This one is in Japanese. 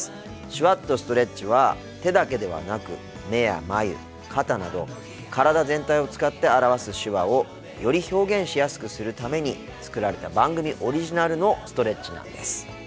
「手話っとストレッチ」は手だけではなく目や眉肩など体全体を使って表す手話をより表現しやすくするために作られた番組オリジナルのストレッチなんです。